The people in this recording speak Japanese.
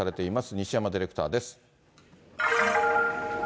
西山ディレクターです。